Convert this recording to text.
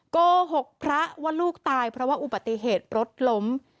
โกหกพระว่าลูกตายเพราะว่าอุบัติเหตุรถล้ม